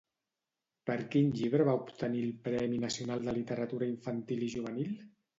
Per quin llibre va obtenir el Premi Nacional de Literatura Infantil i Juvenil?